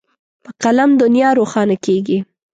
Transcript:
په قلم دنیا روښانه کېږي.